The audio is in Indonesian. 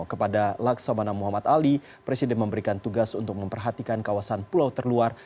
kepada laksamana muhammad ali presiden memberikan tugas untuk memperhatikan kawasan pulau terluar